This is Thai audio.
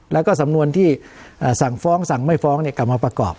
แล้วก็สำนวนที่สั่งฟ้องสั่งไม่ฟ้องกลับมาประกอบ